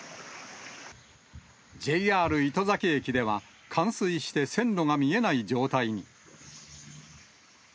ＪＲ糸崎駅では、冠水して線路が見えない状態に。